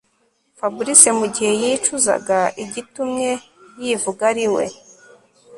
Fabric mugihe yicuzaga igitumye yivuga ariwe